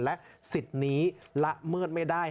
และสิทธิ์นี้ละเมิดไม่ได้